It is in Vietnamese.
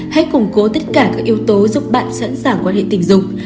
hãy củng cố tất cả các yếu tố giúp bạn sẵn sàng quan hệ tình dục